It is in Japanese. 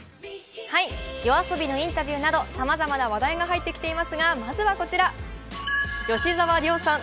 ＹＯＡＳＯＢＩのインタビューなどさまざまな話題が入ってきていますがまずはこちら、吉沢亮さん